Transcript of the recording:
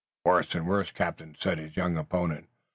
"Worse and worse, captain," said his young opponent.